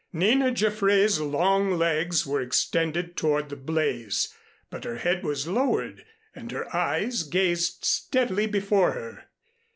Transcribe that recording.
Nina Jaffray's long legs were extended toward the blaze, but her head was lowered and her eyes gazed steadily before her.